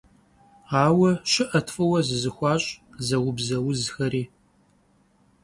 Ауэ щыӏэт фӏыуэ зызыхуащӏ, зэубзэ узхэри.